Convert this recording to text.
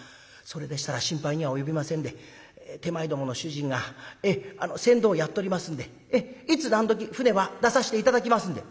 「それでしたら心配には及びませんで手前どもの主人が船頭をやっとりますんでいつ何どき舟は出さして頂きますんで」。